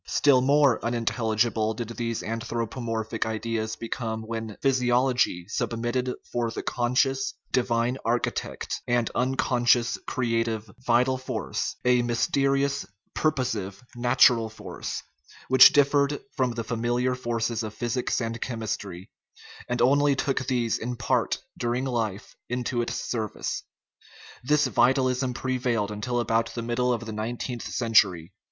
Still more unintelligible did these anthro pomorphic ideas become when physiology substituted for the conscious, divine architect an unconscious, creative "vital force" a mysterious, purposive, nat ural force, which differed from the familiar forces of physics and chemistry, and only took these in part, during life, into its service. This vitalism prevailed until about the middle of the nineteenth century.